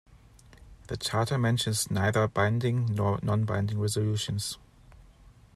The Charter mentions neither binding nor non-binding resolutions.